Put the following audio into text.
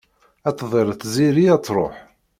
Ad d-tḍil tziri ad truḥ.